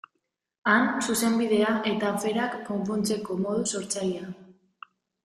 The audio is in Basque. Han, Zuzenbidea eta aferak konpontzeko modu sortzailea.